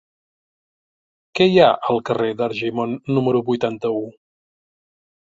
Què hi ha al carrer d'Argimon número vuitanta-u?